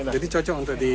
jadi cocok untuk di